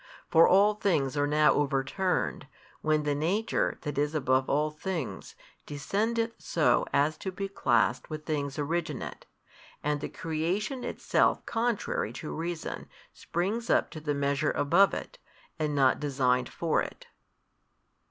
For all things are now overturned, when the Nature That is above all things descendeth so as to be classed with things originate, and the creation itself contrary to reason springs up to the measure above it, and not designed for it.